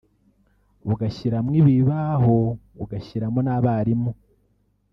ugashyiramo ibibaho ugashyiramo n’abarimu